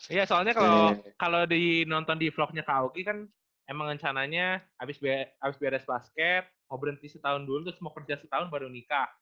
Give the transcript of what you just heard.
iya soalnya kalau di nonton di vlognya kak uki kan emang rencananya habis beres basket mau berhenti setahun dulu terus mau kerja setahun baru nikah